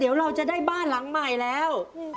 เดี๋ยวเราจะได้บ้านหลังใหม่แล้ว